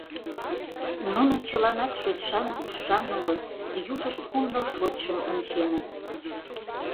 Нуно чыланат шочшан-кушшан улыт, южышт кум-ныл шочшым онченыт.